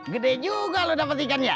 gede juga lu dapet ikannya